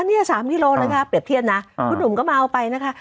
นี่๓กิโลนะคะเปรียบเทียบนะคุณหนุ่มก็มาเอาไปนะคะ